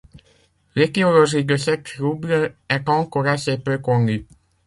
L'étiologie de ce trouble est encore assez peu connue.